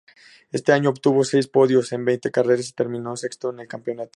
Ese año obtuvo seis podios en veinte carreras, y terminó sexto en el campeonato.